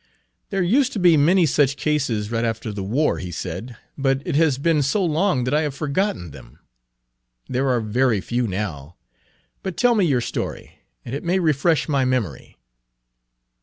"There used to be many such cases right after the war," he said, "but it has been so long that I have forgotten them. There are very few now. But tell me your story, and it may refresh my memory."